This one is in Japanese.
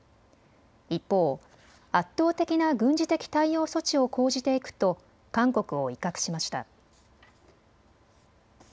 一方、圧倒的な軍事的対応措置を講じていくと韓国を威嚇しました。